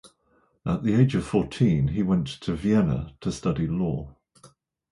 At the age of fourteen he went to Vienna to study law.